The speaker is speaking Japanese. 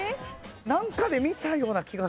なんかで見たような気がする。